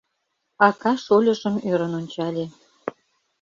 Ака шольыжым ӧрын ончале.